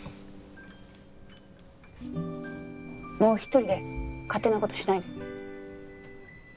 もう一人で勝手な事しないで。